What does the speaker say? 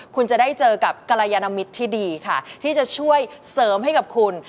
คุณจะได้เจอกับกรยานมิตรที่ดีค่ะที่จะช่วยเสริมให้กับคุณ